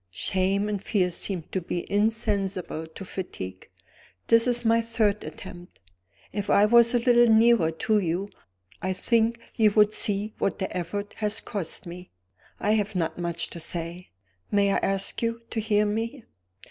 Shame and fear seemed to be insensible to fatigue. This is my third attempt. If I was a little nearer to you, I think you would see what the effort has cost me. I have not much to say. May I ask you to hear me?"